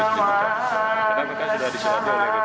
itu sudah menarik paling lama satu bulan